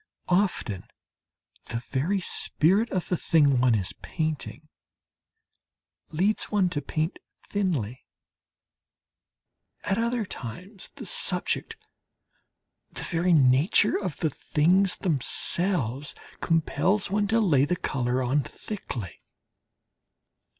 Often the very spirit of the thing one is painting leads one to paint thinly; at other times the subject, the very nature of the things themselves, compels one to lay the colour on thickly.